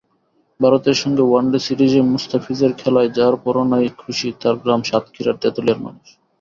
ভারতের সঙ্গে ওয়ানডে সিরিজে মোস্তাফিজের খেলায় যারপরনাই খুশি তাঁর গ্রাম সাতক্ষীরার তেঁতুলিয়ার মানুষ।